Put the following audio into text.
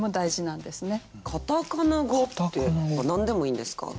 カタカナ語って何でもいいんですか？